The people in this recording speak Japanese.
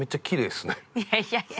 いやいやいや。